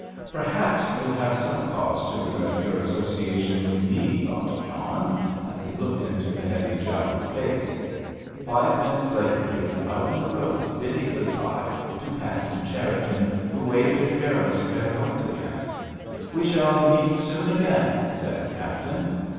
"Perhaps you'll have some cause to regret your association with me," thought John, as he looked into the heavy jowled face. Five minutes later he was out in the road, bidding good bye to Captain Cherriton, who waved a careless farewell to him. "We shall meet soon again," said the captain.